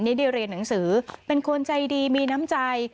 ได้เรียนหนังสือเป็นคนใจดีมีน้ำใจ